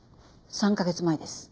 ３カ月前です。